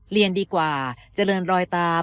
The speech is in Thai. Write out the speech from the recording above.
เรียนดีกว่าเจริญรอยตาม